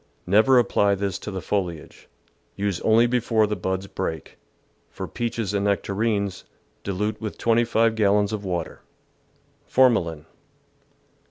Never apply this to the foliage. Use only before the buds break. For peaches and nec tarines, dilute with 25 gallons of water. Formalin.